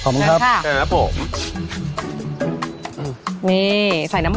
มันเป็นอะไร